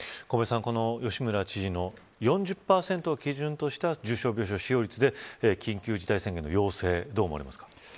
小林さん、吉村知事の４０％を基準とした重症病床使用率で緊急事態宣言の要請どう思われますか。